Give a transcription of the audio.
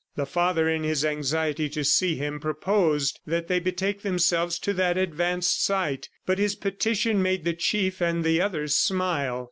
The father, in his anxiety to see him, proposed that they betake themselves to that advanced site, but his petition made the Chief and the others smile.